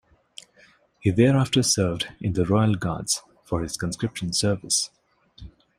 He thereafter served in the Royal Guards for his conscription service.